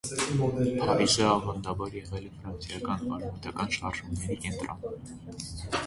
Փարիզը ավանդաբար եղել է ֆրանսիական արմատական շարժումների կենտրոն։